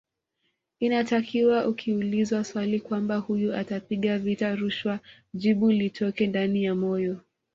Inatakiwa ukiulizwa swali kwamba huyu atapiga vita rushwa jibu litoke ndani ya moyo